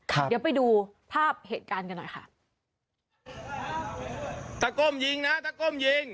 เดี๋ยวไปดูภาพเหตุการณ์กันหน่อยค่ะ